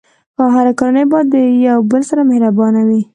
هره کورنۍ باید د یو بل سره مهربانه وي.